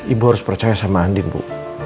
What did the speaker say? ibu harus percaya sama andin bu